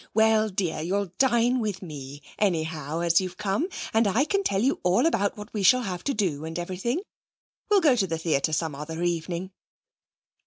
Well, dear, you'll dine with me, anyhow, as you've come, and I can tell you all about what we shall have to do, and everything. We'll go to the theatre some other evening.'